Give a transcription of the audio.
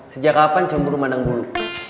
sejak kapan cemburu mandang bulu